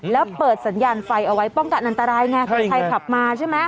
แล้วเปิดสัญญาณไฟเอาไว้ป้องกันอันตรายไงคนไทยขับมาใช่ไหม